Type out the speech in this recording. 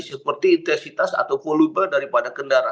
seperti intensitas atau volume daripada kendaraan